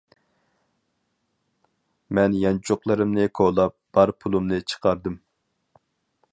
مەن يانچۇقلىرىمنى كولاپ، بار پۇلۇمنى چىقاردىم.